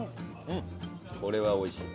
これはおいしい。